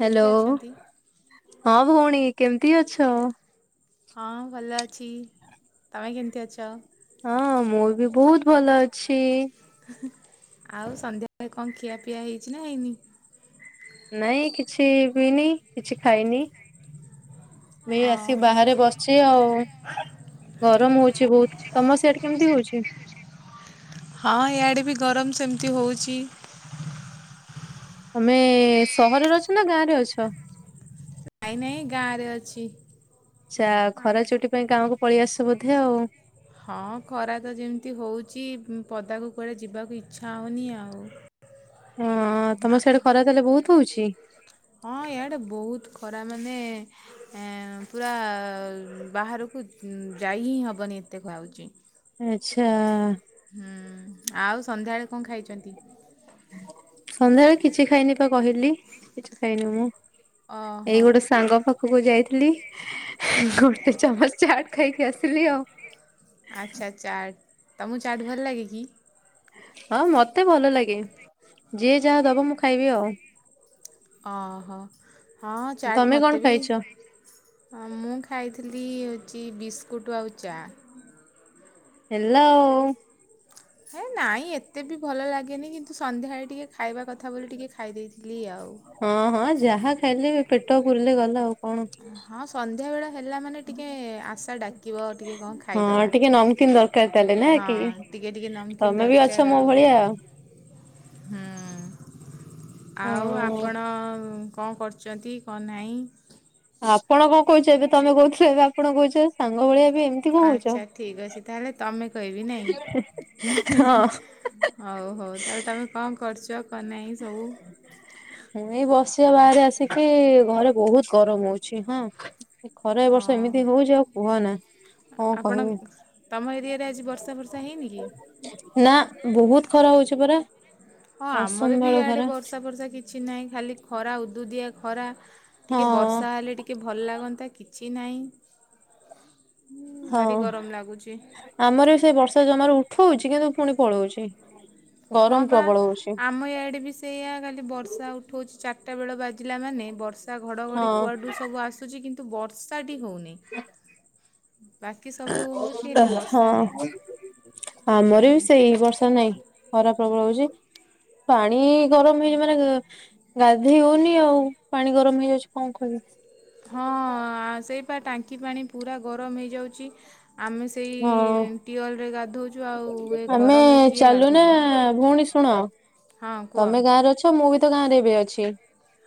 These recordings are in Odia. କେମିତି ହେଲୋ। ଅଛନ୍ତି? ହଁ ଭଉଣୀ କେମିତି ଅଛ? ହଁ ଭଲ ଅଛି। ତୋମେ କେମିତି ଅଛ? ହଁ ମୁଁ ବି ବହୁତ ଭଲ ଅଛି। ଆଉ ସନ୍ଧ୍ୟାବେଳେ କଣ ଖିଆ ପିଆ ହେଇଛି ନା ହେଇନି? ନାଇଁ କିଛି ପିଇନି, କିଛି ଖାଇନି। ମୁଁ ଏଇ ଆସି ଓହୋ। ବାହାରେ ବସିଛି ଆଉ। ଗରମ ହୋଉଛି ବହୁତ। ତୋମ ସିଆଡେ କେମିତି ହୋଉଛି? ହଁ ଇଆଡ଼େ ବି ଗରମ ସେମିତି ହୋଉଛି। ତୋମେ ସହରରେ ଅଛ ନା ଗାଁରେ ଅଛ? ନାଇଁ ନାଇଁ ଗାଁ ରେ ଅଛି। ଛା ଖରା ଛୁଟି ପାଇଁ ଗାଁକୁ ପଳେଇ ଆସିଛ ବୋଧେ ଆଉ? ହଁ ଖରା ତ ଯେମିତି ହଉଚି ଉଁ, ପଦାକୁ କୁଆଡ଼େ ଯିବାକୁ ଇଚ୍ଛା ହଉନି ଆଉ। ହଁ ନା ତୋମ ସିଆଡ଼େ ଖରା ତାହେଲେ ବହୁତ ହୋଉଛି? ହଁ ଇଆଡେ ବହୁତ ଖରା ମାନେ ଏଁ, ପୁରା ବାହାରକୁ ଉଁ, ଯାଇ ହିଁ ହବନି ଏତେ ଖରା ହଉଚି। ଆଚ୍ଛା। ହୁଁ, ଆଉ ସନ୍ଧ୍ୟାବେଳେ କଣ ଖାଇଛନ୍ତି? ସନ୍ଧ୍ୟାବେଳେ କିଛି ଖାଇନି ପା କହିଲି, କିଛି ଖାଇନି ମୁଁ, ଏଇ ଓହୋ ଗୋଟେ ସାଙ୍ଗ ପା ଖକୁ ଯାଇଥିଲି, ଗୋଟେ ଚାମଚ ଚାଟ୍ ଖାଇକି ଆସିଲି ଆଉ। ଆଚ୍ଛା ଚାଟ୍, ତୋମକୁ ଚାଟ୍ ଭଲ ଲାଗେ କି? ହଁ ମୋତେ ଭଲ ଲାଗେ, ଯିଏ ଯାହା ଦବ ମୁଁ ଖାଇବି ଆଉ। ଅଁ, ହଁ, ହଁ ଚାଟ୍ ତମେ କଣ ମୋତେ ବି ଖାଇଛ? ହଁ ମୁଁ ଖାଇଥିଲି ଚି- ବିସ୍କୁଟ୍ ଆଉ ଚା। ହେଲୋ। ହେ ନାଇଁ ଏତେ ବି ଭଲ ଲାଗେନି କିନ୍ତୁ ସନ୍ଧ୍ୟାବେଳେ ଟିକେ ଖାଇବା କଥା ବୋଲି ଟିକେ ଖାଇ ଦେଇଥିଲି ଆଉ। ହଁ, ହଁ ଯାହା ଖାଇଲେ ବି ପେଟ ପୁରିଲେ ଗଲା ଆଉ କଣ। ହଁ ସନ୍ଧ୍ୟାବେଳ ହେଲା ମାନେ ଏ ଟିକେ ଆଶା ଡାକିବ ଟିକେ କଣ ହଁ ଖାଇଦବା ଟିକେ ନମକିନ୍ ଦରକାର ତାହେଲେ ନା କି ହଁ। ଟିକେ ଟିକେ ନମ୍ କିନ୍ ତମେ ବି ଅଛ ଦରକାର ମୋ ଆଉ ଭଳିଆ ହୁଁ,। ଆଉ ହଁ। ଆପଣ ଉଁ, କଣ କରୁଚନ୍ତି କଣ ନାହିଁ? ଆପଣ କଣ କହୁଛନ୍ତି ତୋମେ କହୁଥିଲେ ଏବେ ଆପଣ କହୁଛ। ସାଙ୍ଗ ଭଳିଆ ବି ଏମିତି କଣ ହଉଛ ଆଚ୍ଛା ଠିକ୍ ଅଛି ତାହେଲେ ତୋମେ କହିବି ନାଇଁ? ହଁ। ହଉ ହଉ, ତାହେଲେ ତୋମେ କଣ କରୁଚ କଣ ନାହିଁ ସବୁ? ମୁଁ ଏଇ ବସିଛି ଆଉ ବାହାରେ ଆସିକି ଘରେ ବହୁତ ଗରମ ହଉଛି ହଁ,। ଖରା ଏବର୍ଷ ହଁ ଏମିତି ହଉଛି ଆଉ କୁହନା। କଣ ଆପଣ କହିବି ତୋମ ଏରିଆରେ ଆଜି ବର୍ଷା ଫର୍ଷା ହେଇନି କି? ନା ବହୁତ ଖରା ହଉଛି ପରା। ହଁ ଆମର ବି ଅସମ୍ଭାଳ ଇଆଡେ ଖରା ବର୍ଷା ଫର୍ଷା କିଛି ନାହିଁ ଖାଲି ଖରା, ଉଦୁଉଦିଆ ଖରା। ଟିକେ ହଁ। ବର୍ଷା ହେଲେ ଟିକେ ଭଲ ଲାଗନ୍ତା, କିଛି ନାହିଁ। ହୁଁ, ହଁ ଭାରି ଗରମ ଲାଗୁଛି। ଆମର ବି ସେ ବର୍ଷା ଜମାରୁ ଉଠଉଛି କିନ୍ତୁ ପୁଣି ପଳଉଛି। ହଁ ଗରମ ପା ପ୍ରବଳ ହଉଛି ଆମ ଇଆଡେ ବି ସେଇଆ ଖାଲି ବର୍ଷା ଉଠୋଉଛି ଚାରିଟା ବେଳ ବାଜିଲା ମାନେ ବର୍ଷ ବର୍ଷା ଘଡ଼ଘଡ଼ି ହଁ କୁଆଡୁ ସବୁ ଆସୁଚି କିନ୍ତୁ ବର୍ଷାଟି ହଉନି। ବାକି ସବୁ ହୋଉଛି ହେଲେ ବର୍ଷା ନାଇଁ। ହଁ ଆମର ବି ସେଇ ବର୍ଷା ନାଇଁ। ଖରା ପ୍ରବଳ ହୋଉଛି ପାଣି ଗରମ୍ ହେଇଛିମାନେ ଗାଧେଇ ହୋଉନି ଆଉ ପାଣି ଗରମ୍ ହେଇଯାଉଛି କଣ କହିବୁ? ହଁ ଆଁ ସେଇପା ଟାଙ୍କି ପାଣି ପୁରା ଗରମ୍ ହେଇଯାଉଚି ଆମେ ସେ ହଁ ଆଉ ଏ ଆମେ ଗରମରେ କିଏ ଚାଲୁ ନା ଗାଧେଇବ। ଭଉଣୀ ଶୁଣ? ହଁ କୁହ ତମେ ଗାଁରେ ଅଛ ମୁଁ ବି ତ ଗାଁରେ ଏବେ ଅଛି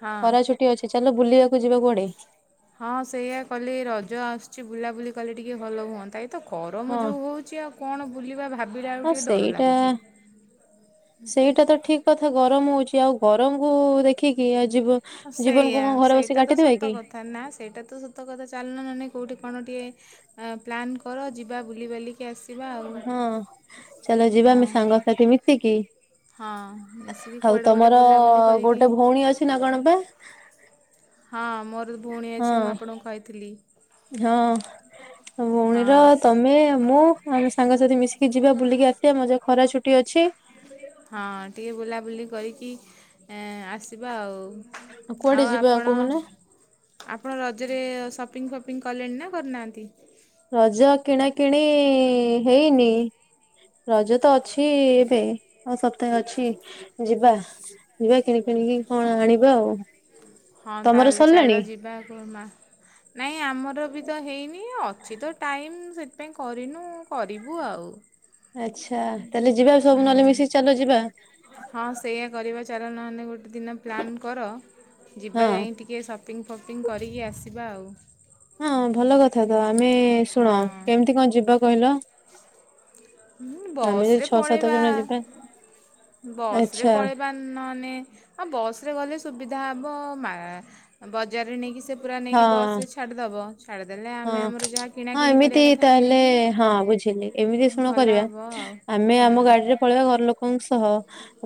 ହଁ। ଖରା ଛୁଟି ଅଛି ଚାଲ ବୁଲିବାକୁ ଯିବା କୁଆଡ଼େ? ହଁ ସେଇୟା କଲେ ରଜ ଆସୁଛି ବୁଲାବୁଲି କଲେ ଟିକେ ଭଲ ହୁଅନ୍ତା। ଏ ତ ଗରମ୍ ହଁ ଯୋଉ ହୋଉଚି ଆଉ କଣ ବୁଲିବା ଭାବିଲାଆଳୁକୁ ହଁ ଟିକେ ଡର ସେଇଟା ଲାଗୁଚି। ସେଇଟା ତ ଠିକ୍ କଥା ଗରମ୍ ହୋଉଛି ଆଉ ଗରମକୁ ଦେଖିକି ଆଜି ବ ଜୀବନ୍ କୁ କଣ ଘରେ ବସିକି କାଟିଦେବା କି? କାହିଁକି ନା ସେଇଟା ତ ସତ କଥା ଚାଲୁନ ନହେଲେ ନାହିଁ କେଉଁଠି କଣ ଟିକେ ପ୍ଲାନ୍ କର ଯିବା ବୁଲିି ବାଲିକି ଆସିବା। ଆଉ ହଁ ଚାଲ ଯିବା ହଁ। ସାଙ୍ଗ ସାଥୀ ମିଶିକି। ହଁ ମିଶିକି କୁଆଡ଼େ ଗୋଟେ ବୁଲା ବୁଲି କରିକି ଣୀ ଅଛି ନା କଣ ପା? ହଁ ମୋର୍ ଭଉଣୀ ହଁ ଅଛି ମୁଁ ଆପଣଙ୍କୁ କହି ଥିଲି। ହଁ ତମ ଭଉଣୀର ହଁ ତମ ଆମେ ମୁଁ ଆମ ସାଙ୍ଗସାଥୀ ମିଶିକି ଯିବା ବୁଲିକି ଆସିବା ମଜା ଖରା ଛୁଟି ଅଛି। ହଁ ଟିକେ ବୁଲାବୁଲି କରିକି ଏ ଆସିବା ଆଉ। କୁଆଡେ ଆଉ ଯିବା ଆପଣ କହୁନ ଆପଣ ରଜରେ ସପିଙ୍ଗି ଫପିଙ୍ଗି କଲେଣି ନା କରି ନାହାନ୍ତି? ରଜ କିଣାକିଣି ହେଇନି। ରଜ ତ ଅଛି ଏବେ ଆଉ ସପ୍ତାହେ ଅଛି ଯିବା। ଯିବା କିଣି କିଣିକି କଣ ଆଣିବା ଆଉ। ହଁ ତମର ତାହେଲେ ସରିଲାଣି? ଚାଲ ଯିବା କୋଉ ମା ନାଇଁ ଆମର ବି ତ ହେଇନି ଅଛି ତ ଟାଇମ୍ ସେଥି ପାଇଁ କରିନୁ କରିବୁ ଆଉ। ଆଚ୍ଛା ତାହେଲେ ଯିବା ସବୁ ହୁଁ ନହେଲେ ମିଶିକି ଚାଲ ଯିବା। ହଁ ସେଇୟା କରିବା ଚାଲ ନହେଲେ ନାହିଁ ଗୋଟେ ଦିନ ପ୍ଲାନ୍ କର ଯିବା ହଁ। ଯାଇ ଟିକେ ସପ୍ ସପିଙ୍ଗି ଫପିଙ୍ଗି କରିକି ଆସିବା ଆଉ। ହଁ ଭଲ କଥା ତ ଆମେ ଶୁଣ ହଁ କେମିତି କଣ ଯିବା କହିଲ? ହୁଁ ଆମେ ବସ୍ ଯଦି ରେ ଛଅ ସାତ ପଳେଇବା ଜଣ ଯିବା ବସ୍ ରେ ଆଚ୍ଛା ପଳେଇବା। ନାହେଲେ ହଁ ବସ୍ ରେ ଗଲେ ସୁବିଧା ହବ ମାର୍ ବଜାରରେ ନେଇକି ପୁରା ହଁ ନେଇକି ବସ୍ ଯଦି ଛାଡିଦବ ଛାଡିଦେଲେ ଆହୁରି ବଢ଼ିଆ। ହଁ ହଁ ଏମିତି ତାହେଲେ ହଁ ବୁଝିଲି ଏମିତି କଣ ଭଲ କରିବା ହେବ ଆଉ ଆମେ ହୁଁ ଆମ ଗାଡ଼ିରେ ପଳେଇବା ଘର ଲୋକଙ୍କୁ ଓଃ ହୋ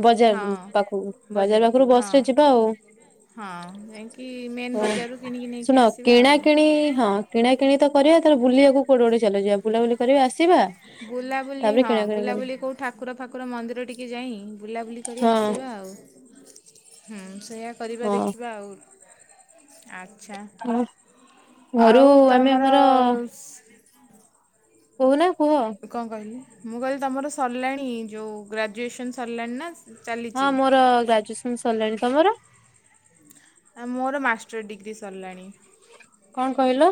ବଜାରରୁ ହଁ ପାଖକୁ ବଜାର ବଜାରକୁ ଉପରୁ ବସ୍ ହଁ ରେ ଯିବା ଆଉ। ହଁ ଯାଇକି ମେନ୍ ହୁଁ ବଜାରରୁ କିଣିକି ନେଇକି ଶୁଣ ଆସିବା କିଣା ଆଉ କିିଣି ହଁ। କିଣା କିଣି ତ କରିବା ଚାଲ ବୁଲିବାକୁ କୋଉଠି କୁ ଗୋଟେ ଚାଲ ଯିବା। ବୁଲା ବୁଲି କରିବା ଆସିବା ବୁଲାବୁଲି ତାପରେ ହଁ କିଣାକିଣି ବୁଲାବୁଲି କରିବା। କେଉଁ ଠାକୁର ଫାକୁର ମନ୍ଦିର ଟିକେ ଯାଇ ବୁଲାବୁଲି କରି ଆସିବା ଆଉ। ହୁଁ ସେଇୟା କରିବା ହଁ ଦେଖିବା ଆଉ ଆଚ୍ଛା। ହଁ। ଘରୁ ଆଉ ଆମେ ତମର ଆମର କହୁନା କୁହ? କଣ କହିଲେ ମୁଁ କହିଲି ତମର ସରିଲାଣି ଯୋଉ ଗ୍ରାଜୁଏସନ୍ ସରିଲାଣି ନା? ହଁ ଚାଲିଛି? ମୋର ଗ୍ରାଜୁଏସନ୍ ସରିଲାଣି ତମର? ଆଉ ମୋର ମାଷ୍ଟର୍ ଡିଗ୍ରୀ ସରିଲାଣି। କଣ କହିଲ?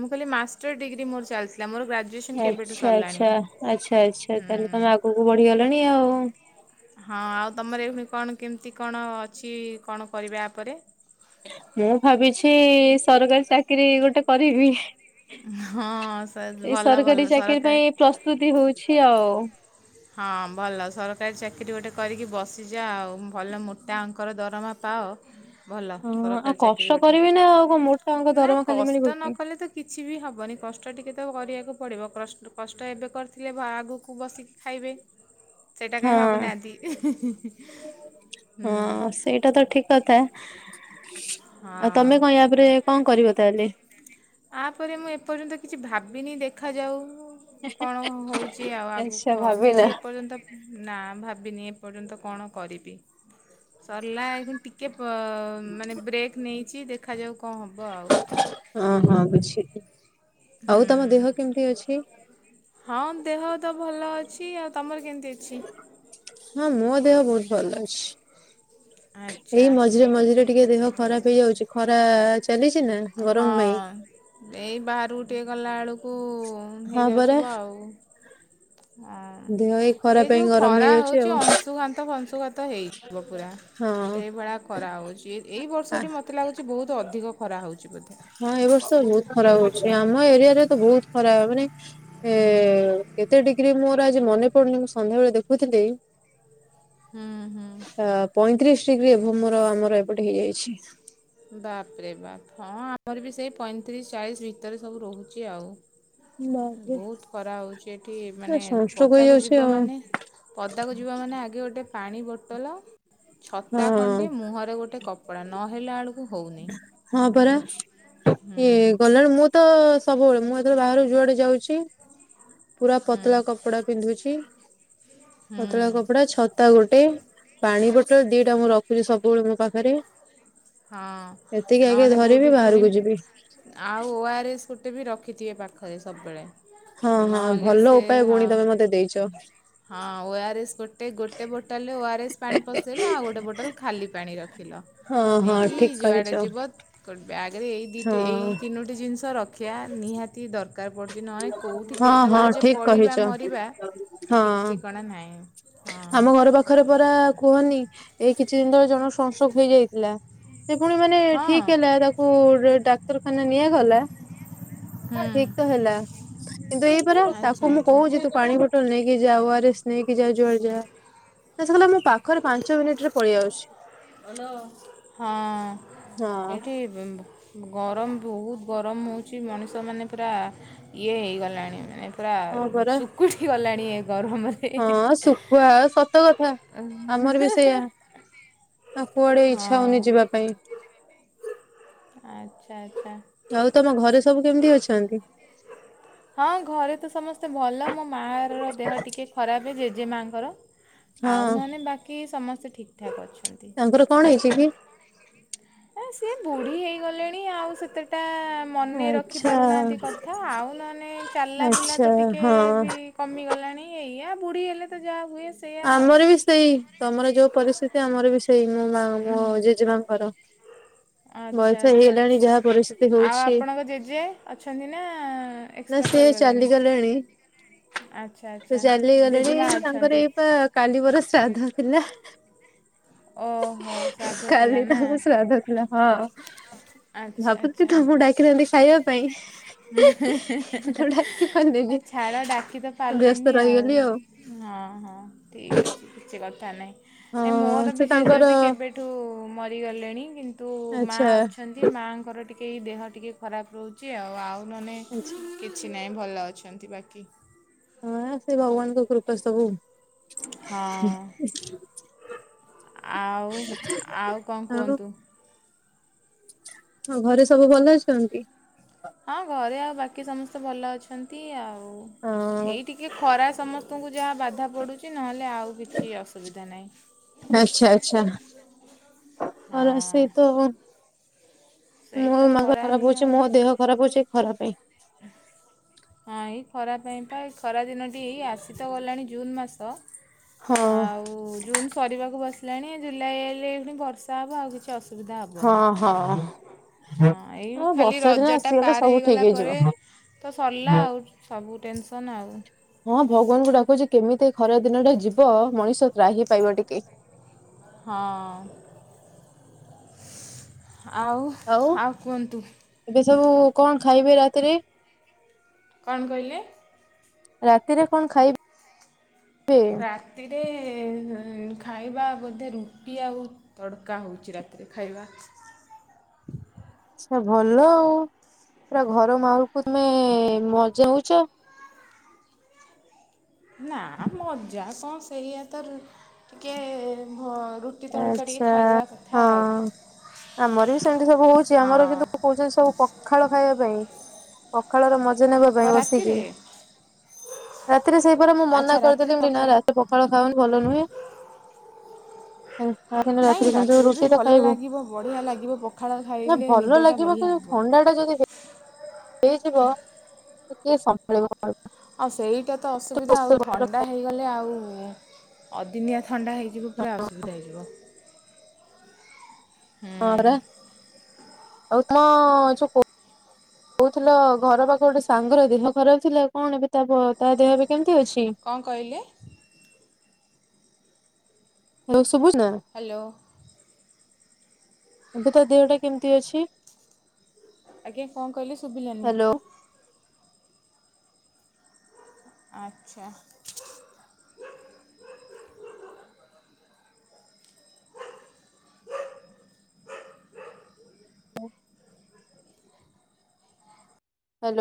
ମୁଁ କହିଲି ମାଷ୍ଟେର୍ ଡିଗ୍ରୀ ମୋର ଚାଲିଥିଲା, ମୋର ଗ୍ରାଜ ଆଚ୍ଛା ଆଚ୍ଛା ଆଚ୍ଛା ଆଚ୍ଛା, ତାହେଲେ ତମେ ହୁଁ। ଆଗକୁ ବଢିଗଲଣି ଆଉ। ହଁ ଆଉ ତମର ଏ ପୁଣି କଣ କେମିତି କଣ ଅଛି, କଣ କରିବେ ଆ ପରେ? ମୁଁ ଭାବିଛି ସରକାରୀ ଚାକିରି ଗୋଟେ କରିବି। ହଁ ସର୍ ଏଇ ଭଲ ସରକାରୀ ଭଲ ଚାକିରି ପାଇଁ ସରକାର ପ୍ରସ୍ତୁତି ହଉଛି ଆଉ। ହଁ ଭଲ ସରକାରୀ ଚାକିରି ଗୋଟେ କରିକି ବସିଯା ଆଉ, ଭଲ ମୋଟା ଅଙ୍କର ଦରମା ପାଅ ଭଲ ହଁ ଆଉ ସରକାରୀ ଚାକିରି କଷ୍ଟ ଗୋଟେ, କରିବି ନା ଆଉ କଣ ମୋଟା ଅଙ୍କ ନା ଦରମା ଖାଲି କଷ୍ଟ ମିଳିବ କି? ନ କଲେ ତ କିଛି ବି ହବନି କଷ୍ଟ ଟିକେ ତ କରିବାକୁ ପଡ଼ିବ, କଷ୍ଟ କଷ୍ଟ ଏବେ କରିଥିଲେ ଆଗକୁ ବସିକି ଖାଇବେ, ସେଇଟା କାଇଁ ହଁ ଭାବୁନାହାନ୍ତି ହୁଁ। ଏଇଟା ତ ଠିକ କଥା, ଆଉ ହଁ ତମେ କଣ ୟାପରେ କଣ କରିବ ତାହେଲେ? ଆପରେ ମୁଁ ଏପର୍ଯ୍ୟନ୍ତ କିଛି ଭାବିନି, ଦେଖାଯାଉ କଣ ହଉଛି ଆଉ ଆଚ୍ଛା ଆଗକୁ ଆଉ, ଭାବିନା କିଛି ଏପର୍ଯ୍ୟନ୍ତ ନା ଭାବିନି ଏପର୍ଯ୍ୟନ୍ତ କଣ କରିବି? ସରିଲା ଏ ଟିକେ ପ, ମାନେ ବ୍ରେକ୍ ନେଇଛି ଦେଖାଯାଉ କଣ ହବ ଆଉ? ଅଁ- ହଁ ବୁଝିଲି, ଆଉ ହୁଁ ତମ ଦେହ କେମିତି ଅଛି? ହଁ ଦେହ ତ ଭଲ ଅଛି। ଆଉ ତମର କେମିତି ଅଛି? ହଁ ମୋ ଦେହ ବହୁତ ଭଲ ଅଛି, ଏଇ ଆଚ୍ଛା ମଝିରେ ମଝିରେ ଟିକେ ଦେହ ଖରାପ ହେଇଯାଉଛି, ଖରା ଚାଲିଛି ନା। ହଁ ଗରମ ପାଇଁ। ଏଇ ବାହାରକୁ ଟିକେ ଗଲାବେଳକୁ ହଁ ପରା ହେଇଯାଉଥିବ ଆଉ। ଆ। ଦେହ ଏଇ ଖରା ଏ ପାଇଁ ଯୋଉ ଗରମ ଖରା ହେଇଯାଉଛି ହଉଛି, ଆଉ ଅଂଶୁଘାନ୍ତ ଫଶୁଘାନ୍ତ ହେଇଯିବ ପୁରା। ସେଇଭଳିଆ ଖରା ହଉଛି, ଏଇ ହଁ। ବର୍ଷଟି ମତେ ଲାଗୁଛି ବହୁତ ଅଧିକ ଖରା ହଉଛି ବୋଧେ? ହଁ ଏବର୍ଷ ବହୁତ ଖରା ହଉଚି, ଆମ ଏରିଆରେ ତ ବହୁତ ଖରା ମାନେ ଏ କେତେ ଡିଗ୍ରୀ ମୋର ଆଜି ମନେ ପଡୁନି, ମୁଁ ସନ୍ଧ୍ୟାବେଳେ ଦେଖୁଥିଲି। ହୁଁ- ହୁଁ। ଅଁ ପଇଁତିରିଶ ଡିଗ୍ରୀ ଏଭବ ମୋର, ଆମର ଏପଟେ ହେଇଯାଇଚି। ବାପରେ ବାପ, ହଁ ଆମର ବି ସେଇ ପଇଁତିରିଶ ଚାଳିଶ ଭିତରେ ସବୁ ରହୁଛି ଆଉ। ବାପରେ ବହୁତ ଖରା ହଉଚି ଏଠି, ମାନେ ସନଷ୍ଟ୍ରୋକ ପଦାକୁ ହେଇଯାଉଛି ଯିବ ଆଉ ମାନେ ପଦାକୁ ଯିବ ମାନେ, ଆଗେ ଗୋଟେ ପାଣି ବୋଟଲ ଛତା ହଁ ଖଣ୍ଡେ ମୁହଁରେ ଗୋଟେ କପଡା, ନହେଲା ବେଳକୁ ହେଉନି ହଁ ପରା, ହୁଁ ଇଏ ଗଲାଣି ମୁଁ ତ ସବୁବେଳେ, ମୁଁ ଯେତେବେଳେ ବାହାରକୁ ଯୁଆଡେ ଯାଉଚି ପୁରା ହୁଁ ପତଳା କପଡା ପିନ୍ଧୁଚି। ହୁଁ ପତଳା କପଡା, ଛତା ଗୋଟେ, ପାଣି ବଟ ମାତ୍ର ଦିଟା ମୁଁ ରଖୁଛି ସବୁବେଳେ ମୋ ପାଖରେ। ହଁ ଏତିକି ଆଗେ ନହେଲେ କେଉଁଠି ଧରିବି ପୁଣି ବାହାରକୁ ଯିବି। ଆଉ ଓ ଆର୍ ଏସ ଗୋଟେ ବି ରଖିଥିବେ ପାଖରେ ସବୁବେଳେ। ହଁ- ହଁ ନହେଲେ ଭଲ ସେ ଉପାୟ ଭଉଣୀ ହଁ ତମେ ମତେ ଦେଇଚ। ହଁ ଓ ଆର୍ ଏସ ଗୋଟେ ଗୋଟେ ବୋଟଲରେ ଓ ଆର୍ ଏସ ପାଣି ପଶେଇଲ, ଆଉ ଗୋଟେ ବୋଟଲ ଖାଲି ପାଣି ରଖିଲ। ହଁ ହଁ ନେଇକି ଠିକ କହିଛ ଯୁଆଡେ ଯିବ ବ୍ୟାଗରେ ଏଇ ଦିଇ ତି ଏଇ ହଁ ତିନୋଟି ଜିନିଷ ରଖିଆ, ନିହାତି ଦର ଦରକାର ପଡୁଛି, ନହେଲେ କୋଉଠି ହଁ ହଁ କେତେବେଳେ ଯେ ଠିକ କହିଛ ପଡିବା ମରିବା ଠିକ୍ ହଁ ଠିକଣା ନାହିଁ। ହଁ ଆମ ଘର ପାଖରେ ପରା କୁହନି, ଏଇ କିଛି ଦିନ ତଳେ ଜଣ କୁ ସଂଷ୍ଟୋକ ହେଇଯାଇଥିଲା। ସେ ପୁଣି ମାନେ ହଁ ଠିକ୍ ହେଲା, ତାକୁ ଡାକ୍ତରଖାନା ନିଆଗଲା। ଠିକ୍ ତ ହୁଁ ହେଲା, କିନ୍ତୁ ଏଇପରା ଆଚ୍ଛା ତାକୁ ମୁଁ ଆଚ୍ଛା। କହୁଚି ତୁ ପାଣି ବୋଟଲ ନେଇକି ଯାଉ ଓ ଆର ଏସ ନେଇକି ଯା ଯୁଆଡେ ଯା ନା ସେ କହିଲା ମୋ ପାଖରେ ପାଞ୍ଚ ମିନିଟ ରେ ପଳେଇ ଆସୁଛି। ହଁ ହଁ ଏଇଠି ବେ ବ ଗରମ୍ ବହୁତ୍ ଗରମ୍ ହୋଉଛି ମଣିଷମାନେ ପୁରା ଇଏ ହେଇଗଲାଣି ମାନେ ପୁରା ହଁ ପରା ସୁଖୁଠି ଗଲାଣି ଏ ଗରମରେ। ହଁ ଶୁଖୁଆ ଆଉ ସତ କଥା। ଆମର ବି ସେଇଆ। [unintelligible] ଆଉ କୁଆଡେ ଇଚ୍ଛା ହଉନି ଯିବା ପାଇଁ। ଆଚ୍ଛା ଆଚ୍ଛା। ଆଉ ତମ ଘରେ ସବୁ କେମିତି ଅଛନ୍ତି। ହଁ ଘରେ ତ ସମସ୍ତେ ଭଲ ମୋ ମା ର ଦେହ ଟିକେ ଖରାପ୍ ଜେଜେମାଙ୍କର ଆଉ ହଁ ନହେଲେ ବାକି ସମସ୍ତେ ଠିକ୍ ଠାକ୍ ଅଛୁ। ତାଙ୍କର କଣ ହେଇଛି କି? ହେ ସେଏ ବୁଢୀ ହେଇଗଲେଣି ଆଉ ସେତେଟା ମନେ ରଖି ଆଚ୍ଛା। ପାରୁନାହାନ୍ତି କ ଥା ଆଉ ନହେଲେ ଚାଲା ବୁଲା ଆଚ୍ଛା ତ ଟିକେ ହଁ। ବି କମିଗଲାଣି ଏଇଆ ବୁଢ଼ୀ ହେଲେ ତ ଯାହା ହୁଏ ସେ ଆମର ବି ସେଇ ତମର ଯୋଉ ପରିସ୍ଥିତି ଆମର ବି ସେଇ ମୋ ମା ମୋ ଜେଜେମାଙ୍କର। ଆଚ୍ଛା ବୟସ ଆଚ୍ଛା ହେଇଗଲାଣି ଯାହା ପରିସ୍ଥିତି ଆଉ ହଉଛି ଆପଣଙ୍କ ଜେଜେ ଅଛନ୍ତି ନା ଏ ନା ଏକ୍ସପାୟାଡ ସେ କରିଗଲେଣି ଚାଲିଗଲେଣି ଆଚ୍ଛା ଆଚ୍ଛା ଜେଜେମା ଅଛନ୍ତି। ର କାଲି ପରା ଶ୍ରାଦ୍ଧ ଥିଲା। ଓହୋ ଶ୍ରାଦ୍ଧ କାଲି ଥିଲା ନା। ତାଙ୍କ ଶ୍ରାଦ୍ଧ ଥିଲା ହଁ। ଆଚ୍ଛା ଭାବୁଥିଲି ଆଚ୍ଛା। ତମକୁ ଡାକିଥାନ୍ତି ଖାଇବା ପାଇଁ [unintelligible] ଡାକିପାରିଲିନି। ଛାଡ ଡାକି ତ ପାରିଲେନି ଆଉ। ହଁ ହଁ ଠିକ୍ ଅଛି କିଛି କଥା ନାହିଁ ଏ ମୋର ହଁ ସେ ବି ଜେଜେ ତାଙ୍କର ବି କେବେ ଠୁ ମରିଗଲେଣି କିନ୍ତୁ ମା ଆଚ୍ଛା ଅଛନ୍ ନ୍ତୀ ମାଆଙ୍କର ଟିକେ ଏଇ ଦେହ ଟିକେ ଖରାପ୍ ରହୁଛି ଆଉ ଆଉ ନନେ ଆଚ୍ଛା। କିଛି ନାହିଁ ଭଲ ଅଛନ୍ତି ବାକି। ହଁ ସେ ଭଗବାନଙ୍କ କୃପା ସବୁ। ହଁ ଆଉ ଆଉ କଣ କୁହନ୍ତୁ। ଆଉ ଘରେ ସବୁ ଭଲ ଅଛନ୍ତି। ହଁ ଘରେ ଆଉ ବାକି ସମସ୍ତେ ଭଲ ଅଛନ୍ତି ଆଉ ହଁ ଏଇ ଟିକେ ଖରା ସମସ୍ ସ୍ତଙ୍କୁ ଯାହା ବାଧା ପଡୁଛି ନହେଲେ ଆଉ କିଛି ଅସୁବିଧା ନାହିଁ। ଆଚ୍ଛା ଆଚ୍ଛା ଖରା ହଁ ସେତ ଅ ସେଇ ମୋ ତ ମାଙ୍କ ଖରା ଖରାପ୍ ହିଁ ହଉଛି ଆଉ ମୋ ଦେହ ଖରାପ୍ ହଉଛି ଖରା ପାଇଁ। ହଁ ଏଇ ଖରା ପାଇଁ ପା ଏ ଖରା ଦିନ ଏଇ ଆସି ତ ଗଲାଣି ଜୁନ୍ ମାସ ହଁ ଆଉ ଓଃ ଜୁନ୍ ସରିବାକୁ ବସିଲାଣି ଜୁଲାଇ ହେଲେ ବି ବର୍ଷା ହବ ଆଉ କିଛି ଅସୁ ହଁ ହଁ ଏଇ ହଁ ଖାଲି ବର୍ଷା ଦିନ ରଜଟା ଆସିଗଲେ ପାର ସବୁ ହେଇଗଲା ଠିକ୍ ପରେ ହେଇଯିବ। ତ ସରିଲା ଆଉ ସବୁ ଟେନ୍ ସନ୍ ଆଉ। ହଁ ଭଗବାନଙ୍କୁ ଡାକୁଛି କେମିତି ଏ ଖରା ଦିନ ଟା ଯିବ ମଣିଷ ତ୍ରାହୀ ପାଇବ ଟିକେ। ହଁ ଆଉ ଆଉ କୁହନ୍ତୁ। ଏବେ ସବୁ କଣ ଖାଇବେ ରାତିରେ। କଣ କହିଲେ। ରାତିରେ କଣ ଖାଇ ବେ। ରାତିରେ ଏ ଖାଇବା ବୋଧେ ରୁଟି ଆଉ ତଡ଼କା ହୋଉଛି ରାତିରେ ଖାଇବା। ଆଚ୍ଛା ଭଲ ଆଉ ପୁରା ଘର ମାହଲ୍ କୁ ତମେ ମଜେଉଚ। ନା ମଜା କଣ ସେଇଆ ତ ରୁ ଟିକେ ଭ ରୁଟ୍ ଆଚ୍ଛା ହଁ ଆମର ବି ସେମିତି ସବୁ ହଉଛି ହଁ ଆମର କିନ୍ତୁ ଆଉ କହୁଛନ୍ତି ସବୁ ପଖାଳ ଖାଇବା ପାଇଁ ପଖାଳ ର ମଜା ନେବା ପାଇଁ ବସିକି। ରାତିରେ ରାତିରେ ସେଇପରା ମୁଁ ମନା ଆଚ୍ଛା ରାତିରେ କରିଦେଲି ମୁଁ କହିଲି ନା ପଖାଳ ରାତି ପଖାଳ ଖାଅନି ଭଲ ନୁହେଁ। ହଉ ତା ଦିନ ନାଇଁ ରାତିରେ କିନ୍ତୁ ବି ରୁଟି ଟା ଭଲ ଖାଇବୁ ଲାଗିବ ବଢ଼ିଆ ଲାଗିବ ପଖାଳ ନା ଖାଇଲେ ଭଲ ନିଦଟା ଲାଗିବ ବଢ଼ିଆ କିନ୍ତୁ ହେବ ଥଣ୍ଡା ଥଣ୍ଡା ଯଦି ହେଇ ହେଇଯିବ ଟିକିଏ ସମ୍ଭାଳିବ [unintelligible] ଆଉ ସେଇଟା ତ ଅସୁବିଧା ଆଉ ଥଣ୍ଡା ହେଇଗଲେ ଆଉ ଅଦିନିଆ ଥଣ୍ଡା ହେଇ ପୁରା ଅସୁବିଧା ହେଇଯିବ ହୁଁ। ହଁ ପରା ଆଉ ତମ ଛୋକୋ କୋଉଥିଲ ଘର ପାଖ ଗୋଟେ ସାଙ୍ଗର ଦେହ ଖରାପ ଥିଲା କଣ ଏବେ ତା ପ ତା ଦେହ ଏବେ କେମିତି ଅଛି? କଣ କହିଲେ? ଆଉ ଶୁବୁଚି ନା? ହ୍ୟାଲୋ। ଏବେ ତା ଦେହଟା କେମିତି ଅଛି? ଆଜ୍ଞା କଣ କହିଲେ ଶୁଭିଲାନି? ହ୍ୟାଲୋ। ଆଚ୍ଛା।